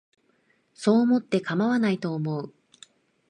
そう思ってかまわないと思う